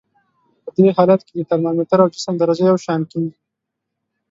په دې حالت کې د ترمامتر او جسم درجه یو شان کیږي.